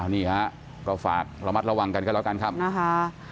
นี่ฮะก็ฝากระมัดระวังกันก็แล้วกันครับนะคะ